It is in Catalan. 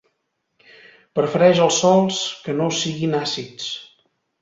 Prefereix els sòls que no siguin àcids.